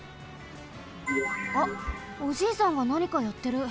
あっおじいさんがなにかやってる。